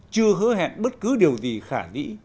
chưa hứa hẹn bất cứ điều gì khả nĩ